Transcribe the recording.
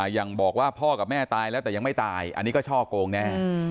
อย่างบอกว่าพ่อกับแม่ตายแล้วแต่ยังไม่ตายอันนี้ก็ช่อโกงแน่